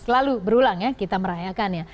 selalu berulang ya kita merayakannya